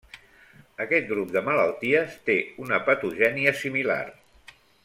Aquest grup de malalties té una patogènia similar.